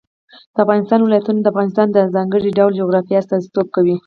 د افغانستان ولايتونه د افغانستان د ځانګړي ډول جغرافیه استازیتوب کوي.